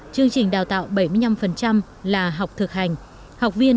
chương trình đào tạo bảy mươi năm là học thực hành